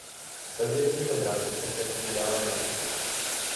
Před většími dravci se však vždy dával na útěk.